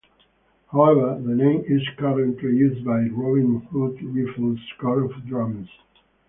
However the name is currently used by The Robin Hood Rifles Corps of Drums.